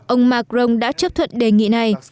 ông macron đã chấp thuận đề nghị này